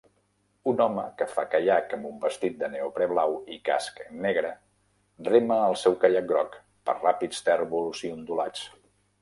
Un home que fa caiac amb un vestit de neoprè blau i casc negre rema el seu caiac groc per ràpids tèrbols i ondulats.